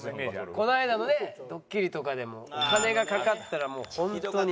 この間のねドッキリとかでも金が懸かったらもうホントに。